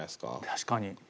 確かに。